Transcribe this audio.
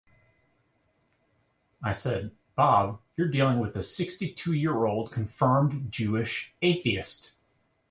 I said, 'Bob, you're dealing with a sixty-two-year-old confirmed Jewish atheist.